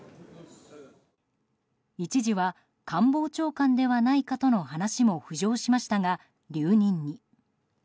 一時は官房長官ではないかとの話も浮上しましたが、留任に。